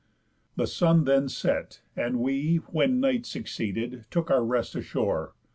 The sun then set, and we, When night succeeded, took our rest ashore.